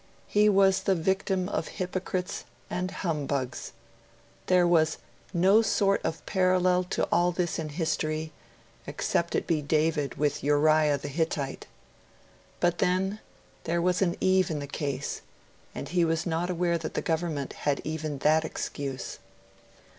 He was the victim of hypocrites and humbugs. There was 'no sort of parallel to all this in history except David with Uriah the Hittite'; but then 'there was an Eve in the case', and he was not aware that the Government had even that excuse.